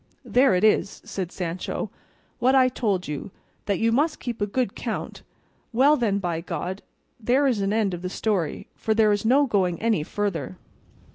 "There it is," said Sancho, "what I told you, that you must keep a good count; well then, by God, there is an end of the story, for there is no going any farther."